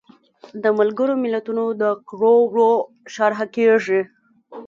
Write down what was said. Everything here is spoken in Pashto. د ملګرو ملتونو د کړو وړو شرحه کیږي.